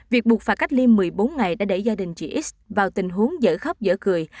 việc buộc phải cách ly một mươi bốn ngày đã đẩy gia đình chị nx vào tình huống dở khóc dở cười